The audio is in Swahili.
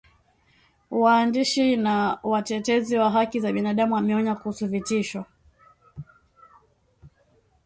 waandishi na watetezi wa haki za binadamu wameonya kuhusu vitisho